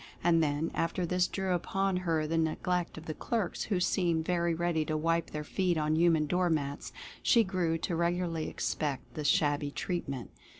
And then, after this drew upon her the neglect of the clerks, who seem very ready to wipe their feet on human door mats, she grew to regularly expect the shabby treatment.